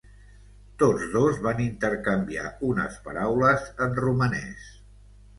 Tots dos van intercanviar unes paraules en romanès.